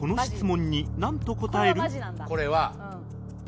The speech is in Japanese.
これは。